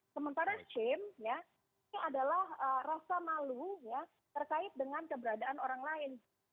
sementara shame ya itu adalah rasa malu ya terkait dengan keberadaan orang lain